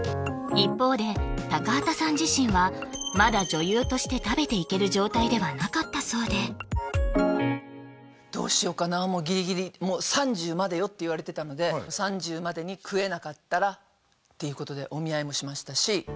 一方で高畑さん自身はまだ女優として食べていける状態ではなかったそうでどうしようかなもうギリギリ「３０までよ」って言われてたので３０までに食えなかったらっていうことでお見合いもしましたし